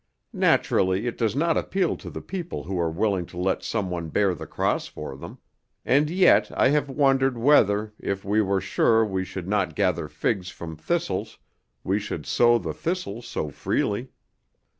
Naturally, it does not appeal to the people who are willing to let some one bear the cross for them, and yet I have wondered whether, if we were sure we should not gather figs from thistles, we should sow the thistles so freely.